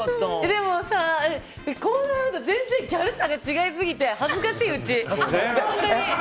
でもさ、こうなると全然ギャルさが違いすぎて恥ずかしい、うち！